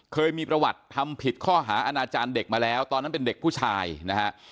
เคยมีประวัติทำผิดข้อหาอาณาจารย์เด็กมาแล้วตอนนั้นเป็นเด็กผู้ชายนะฮะ